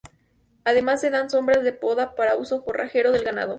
Además de dar sombra se poda para uso forrajero del ganado.